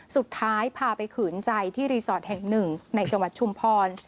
สุดท้ายพาไปขืนใจที่รีสอร์ทแห่งหนึ่งในจังหวัดชุมพร